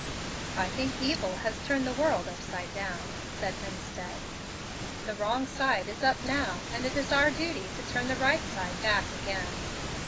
"I think evil has turned the world upside down," said Hemstead. "The wrong side is up now, and it is our duty to turn the right side back again.